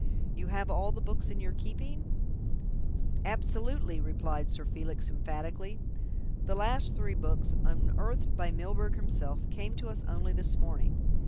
"You have all the books in your keeping?" "Absolutely," replied Sir Felix emphatically. "The last three books, unearthed by Mr. Milburgh himself, came to us only this morning.